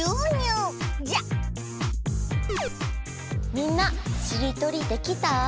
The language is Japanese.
みんなしりとりできた？